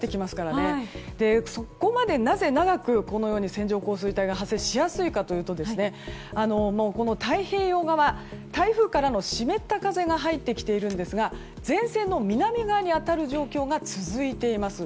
なぜ、そこまで長く線状降水帯が発生しやすいかというと太平洋側、台風からの湿った風が入ってきているんですが前線の南側に当たる状況が続いています。